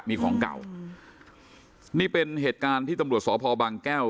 มีของเก่านี่เป็นเหตุการณ์ที่ตำรวจสพบางแก้ว